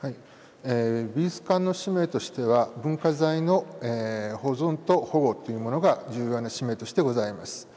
美術館の使命としては文化財の保存と保護というものが重要な使命としてございます。